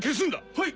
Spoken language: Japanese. はい！